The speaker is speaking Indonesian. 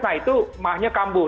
nah itu mahnya kambuh